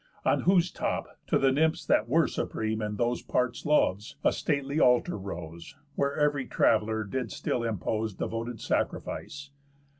On whose top, to the Nymphs that were supreme In those parts' loves, a stately altar rose, Where ev'ry traveller did still impose Devoted sacrifice.